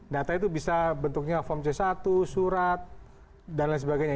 data itu bisa bentuknya form c satu surat dan lain sebagainya